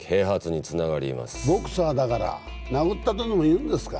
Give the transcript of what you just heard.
ボクサーだから殴ったとでもいうんですか？